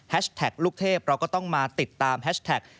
ลูกเทพเราก็ต้องมาติดตามแฮชแท็ก